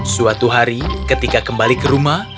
suatu hari ketika kembali ke rumah